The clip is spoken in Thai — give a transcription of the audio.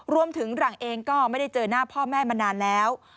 หลังเองก็ไม่ได้เจอหน้าพ่อแม่มานานแล้ว